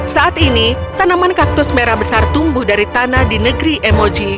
saat ini tanaman kaktus merah besar tumbuh dari tanah di negeri emoji